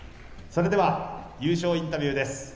それでは優勝インタビューです。